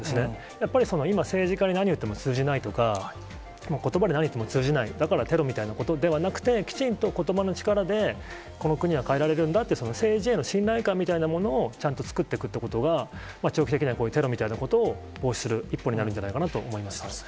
やっぱり今、政治家に何言っても通じないとか、もうことばで何を言っても通じない、だからテロみたいなことではなくて、きちんとことばの力で、この国は変えられるんだと、政治への信頼感みたいなものを、ちゃんと作っていくってことが、長期的な、こういうテロみたいなことを防止する一歩になるんじゃないかなと思いますね。